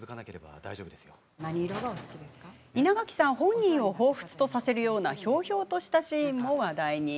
稲垣さん本人をほうふつとさせるようなひょうひょうとしたシーンも話題に。